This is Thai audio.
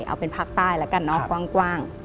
เอาเป็นภาคใต้แล้วกันเนอะกว้าง